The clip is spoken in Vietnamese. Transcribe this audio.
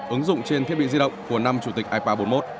ứng dụng trên thiết bị di động của năm chủ tịch ipa bốn mươi một